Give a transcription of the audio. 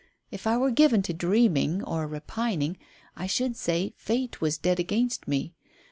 If I were given to dreaming or repining I should say Fate was dead against me.